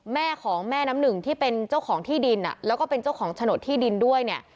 แม่ของแม่น้ำหนึ่งที่เป็นเจ้าของที่ดินแล้วก็เป็นเจ้าของโฉนดที่ดินด้วยเนี่ย